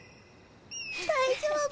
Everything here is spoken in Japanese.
大丈夫？